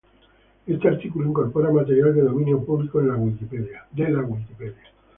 Este artículo incorpora material de dominio público de Wikipedia.